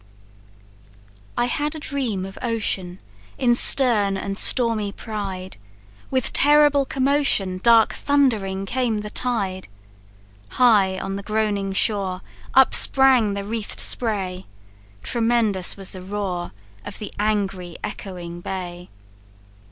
"I had a dream of ocean, In stern and stormy pride; With terrible commotion, Dark, thundering, came the tide. High on the groaning shore Upsprang the wreathed spray; Tremendous was the roar Of the angry, echoing bay.